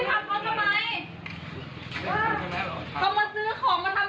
กลับมาซื้อของกลับทำเขาทำไม